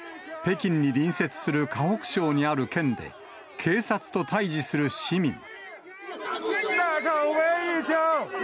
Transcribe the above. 北京に隣接する河北省にある県で、警察と対じする市民。